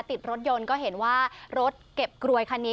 ติดรถยนต์ก็เห็นว่ารถเก็บกรวยคันนี้